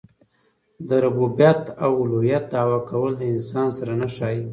د ربوبیت او اولوهیت دعوه کول د انسان سره نه ښايي.